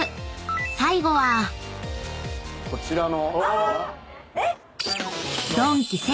［最後は］こちらの。